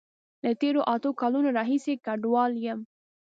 له تیرو اته کالونو راهیسی کډوال یم